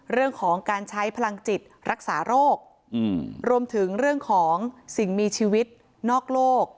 เรื่องของการใช้พลังจิตรักษาโรครวมถึงเรื่องของสิ่งมีชีวิตนอกโลก